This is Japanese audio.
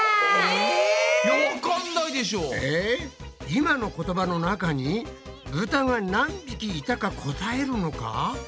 今の言葉の中にブタが何匹いたか答えるのか？